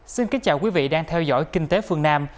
xin kính chào quý vị đang theo dõi kinh tế phương nam